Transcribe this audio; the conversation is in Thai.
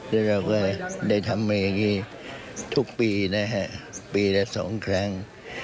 และเราก็ได้ทำแบบนี้ทุกปีนะครับปีละสองครั้ง